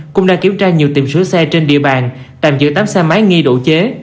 cũng đang kiểm tra nhiều tiệm sửa xe trên địa bàn tạm giữ tám xe máy nghi đổ chế